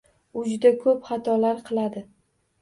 U juda ko’p xatolar qiladi.